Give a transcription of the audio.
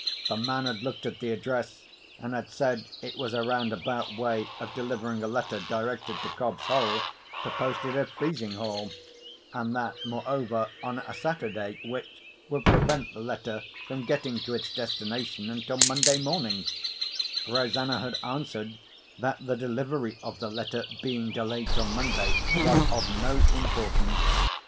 The man had looked at the address, and had said it was a roundabout way of delivering a letter directed to Cobb's Hole, to post it at Frizinghall—and that, moreover, on a Saturday, which would prevent the letter from getting to its destination until Monday morning, Rosanna had answered that the delivery of the letter being delayed till Monday was of no importance.